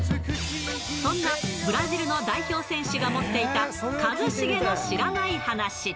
そんなブラジルの代表選手が持っていた、一茂の知らない話。